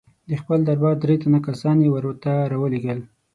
د خپل دربار درې تنه کسان یې ورته را ولېږل.